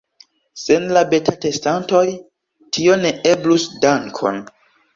Sen la beta-testantoj tio ne eblus dankon!